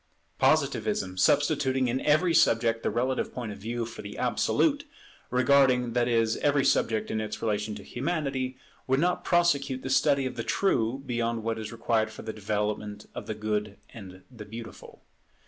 Positivism, substituting in every subject the relative point of view for the absolute, regarding, that is, every subject in its relation to Humanity, would not prosecute the study of the True beyond what is required for the development of the Good and the Beautiful.